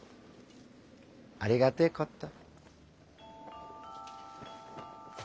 ありがてえこった。